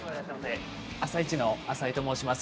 「あさイチ」の浅井と申します。